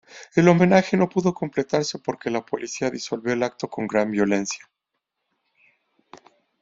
El homenaje no pudo completarse porque la policía disolvió el acto con gran violencia.